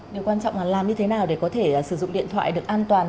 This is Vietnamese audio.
điều quan trọng là làm như thế nào để có thể sử dụng điện thoại được an toàn